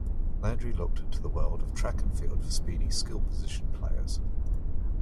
Landry looked to the world of track and field for speedy skill-position players.